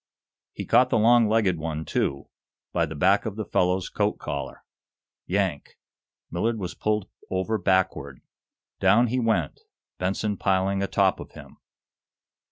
He caught the long legged one, too, by the back of the fellow's coat collar. Yank! Millard was pulled over backward. Down he went, Benson piling a top of him.